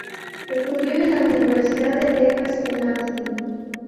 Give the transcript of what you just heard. Estudió en la Universidad de Texas en Austin.